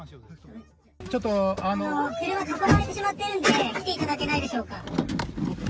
ちょっと、今、車に囲まれてしまっているので、来ていただけないでしょうか。